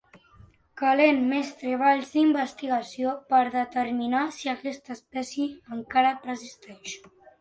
Calen més treballs d'investigació per determinar si aquesta espècie encara persisteix.